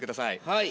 はい。